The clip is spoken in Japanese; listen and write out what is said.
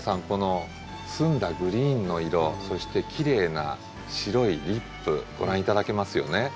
この澄んだグリーンの色そしてきれいな白いリップご覧頂けますよね。